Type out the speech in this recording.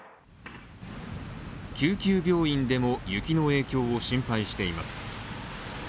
救急病院でも雪の影響を心配しています。